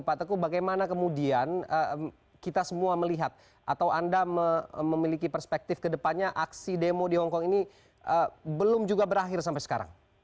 pak teguh bagaimana kemudian kita semua melihat atau anda memiliki perspektif kedepannya aksi demo di hongkong ini belum juga berakhir sampai sekarang